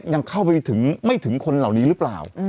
ยังเข้าไปถึงไม่ถึงคนเหล่านี้หรือเปล่า